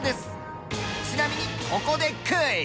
ちなみにここでクイズ。